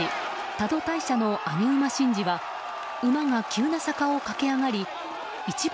多度大社の上げ馬神事は馬が急な坂を駆け上がり一番